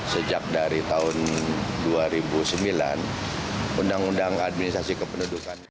sejak dari tahun dua ribu sembilan undang undang administrasi kependudukan